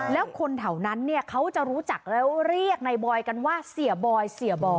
แล้วคนเท่านั้นเขาจะรู้จักแล้วเรียกในบอยกันว่าเสียบอย